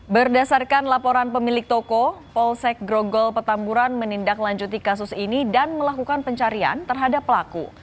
berdasarkan laporan pemilik toko polsek grogol petamburan menindaklanjuti kasus ini dan melakukan pencarian terhadap pelaku